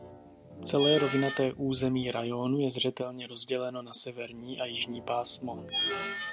Celé rovinaté území rajónu je zřetelně rozděleno na severní a jižní pásmo.